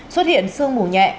xuất hiện sương mù nhẹ